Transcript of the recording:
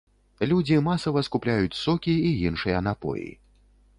Людзі масава скупляюць сокі і іншыя напоі.